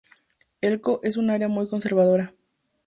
Elko es un área muy conservadora.